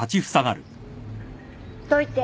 どいて。